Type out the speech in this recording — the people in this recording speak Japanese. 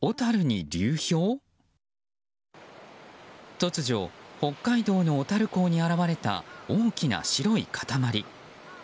突如、北海道の小樽港に現れた大きな白い塊。